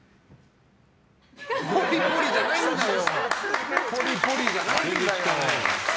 ポリポリじゃないんだよ。